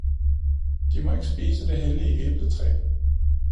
De må ikke spise af det hellige æbletræ